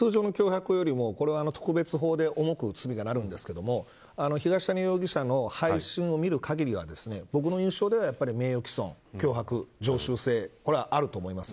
通常の脅迫よりも特別法で罪が重くなるんですけど東谷容疑者の配信を見る限りは僕の印象では、名誉毀損、脅迫常習性、これはあると思います。